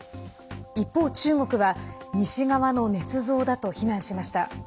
一方、中国は西側のねつ造だと非難しました。